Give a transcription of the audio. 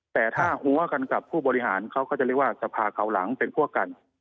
แต่ถ้าหัวกันกับผู้บริหารเขาก็จะเรียกว่าสภาเขาหลังเป็นพวกกัน